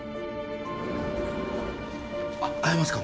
あっ会えますか？